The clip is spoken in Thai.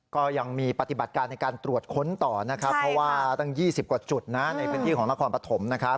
ก็ยังมีปฏิบัติการในการตรวจค้นต่อนะครับเพราะว่าตั้ง๒๐กว่าจุดนะในพื้นที่ของนครปฐมนะครับ